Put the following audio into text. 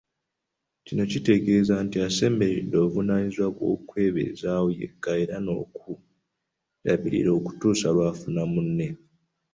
Kino kitegeeza nti asemberedde obuvunaanyizibwa obw'okwebezaawo yekka era n'okwerabirira okutuusa lw'afuna munne.